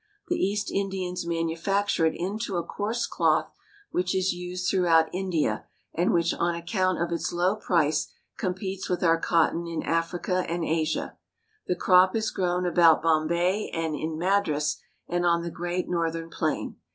The East Indians manufacture it into a coarse cloth, which is used throughout India, and which on account of its low price competes with our cotton in Africa and Asia. The crop is grown about Bombay and in Madras and on the great northern plain.